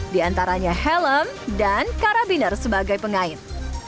di antaranya helm dan karabiner sebagai pengait